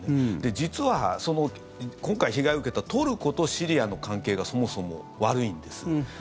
実は今回、被害を受けたトルコとシリアの関係がそもそも悪いんです。